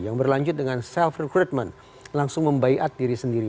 yang berlanjut dengan self recruitment langsung membaikat diri sendiri